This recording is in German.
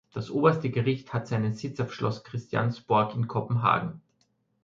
Das Oberste Gericht hat seinen Sitz auf Schloss Christiansborg in Kopenhagen.